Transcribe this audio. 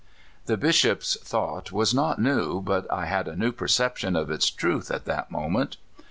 The Bisliop's thought was not new, but I had a new perception of its truth at that moment.